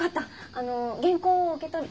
あの原稿を受け取り。